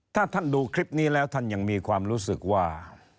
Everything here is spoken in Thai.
ถ้าท่านดูคลิปนี้แล้วท่านยังมีความรู้สึกว่า